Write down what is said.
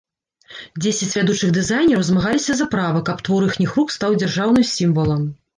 Дзесяць вядучых дызайнераў змагаліся за права, каб твор іхніх рук стаў дзяржаўным сімвалам.